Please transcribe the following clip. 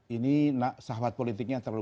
ini sahabat politiknya terlalu